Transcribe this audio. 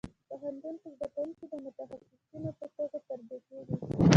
پوهنتون کې زده کوونکي د متخصصینو په توګه تربیه کېږي.